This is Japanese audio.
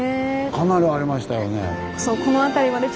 かなりありましたよね。